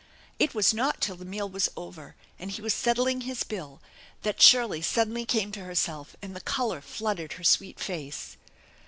It was not till the meal was over ano? he was settling his bill that Shirley suddenly came to herself and the color flooded her sweet face.